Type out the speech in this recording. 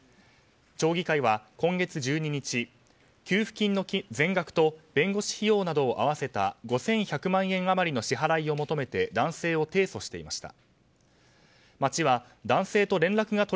町議会は今月１２日給付金の全額と弁護士費用などを合わせた５１００万円余りの支払いを求めて男性を提訴していました。